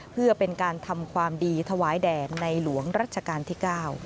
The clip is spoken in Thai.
เพื่อเป็นการทำความดีถวายแด่ในหลวงรัชกาลที่๙